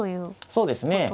そうですね。